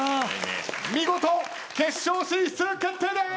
見事決勝進出決定でーす！